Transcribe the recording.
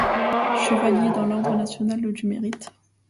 Chevalier dans l'ordre national du Mérite.